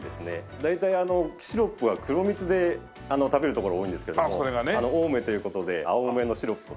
大体シロップは黒蜜で食べるところが多いんですけれども青梅という事で青梅のシロップを。